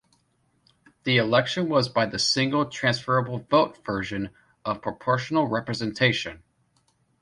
The election was by the single transferable vote version of proportional representation.